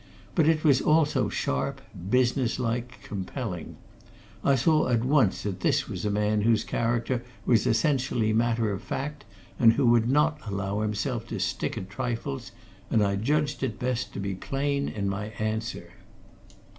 But it was also sharp, business like, compelling; I saw at once that this was a man whose character was essentially matter of fact, and who would not allow himself to stick at trifles, and I judged it best to be plain in my answer.